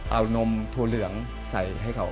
เอานมถั่วเหลืองใส่ให้เขา